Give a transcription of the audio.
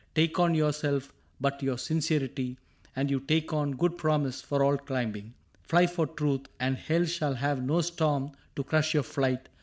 Take on yourself But your sincerity, and you take on Good promise for all climbing : fly for truth. And hell shall have no storm to crush your flight.